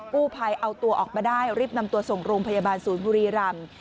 กู้ภัยเอาตัวออกมาได้รีบนำตัวส่งโรงพยาบาลศูนย์บุรีรำ